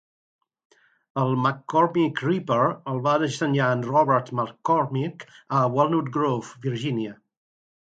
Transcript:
El "McCormick Reaper" el va dissenyar en Robert McCormick a Walnut Grove, Virgínia.